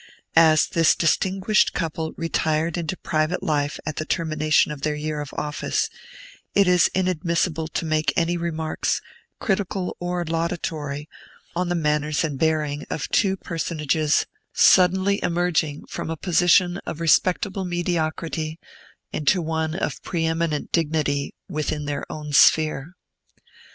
As this distinguished couple retired into private life at the termination of their year of office, it is inadmissible to make any remarks, critical or laudatory, on the manners and bearing of two personages suddenly emerging from a position of respectable mediocrity into one of pre eminent dignity within their own sphere.